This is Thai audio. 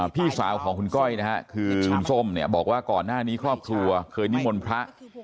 พี่สาวของคุณก้อยนะฮะคือคุณส้มเนี่ยบอกว่าก่อนหน้านี้ครอบครัวเคยนิมนต์พระ